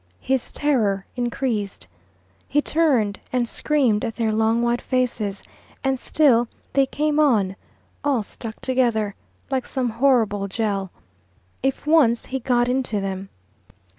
His terror increased. He turned and screamed at their long white faces; and still they came on, all stuck together, like some horrible jell . If once he got into them!